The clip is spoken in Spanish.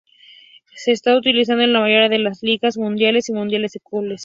Se está utilizando en las mayoría de las ligas, mundiales y mundiales de clubes.